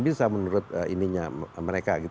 bisa menurut mereka